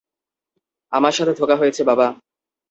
আমার সাথে ধোঁকা হয়েছে, বাবা!